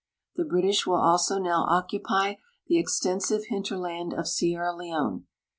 The British will also now occui)y the exten.sive hinterland of Sierra Leone.